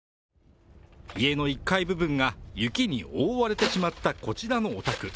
家の１階部分が雪に覆われてしまったこちらのお宅。